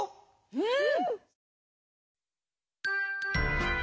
うん。